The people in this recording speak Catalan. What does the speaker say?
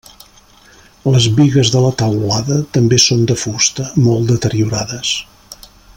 Les bigues de la teulada també són de fusta, molt deteriorades.